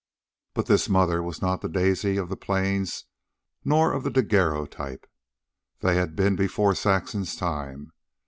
But this mother was not the Daisy of the plains nor of the daguerreotype. They had been before Saxon's time.